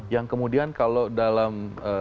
yang kemudian kalau dalam